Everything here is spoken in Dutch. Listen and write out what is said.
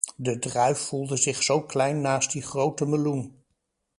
De druif voelde zich zo klein naast die zo grote meloen.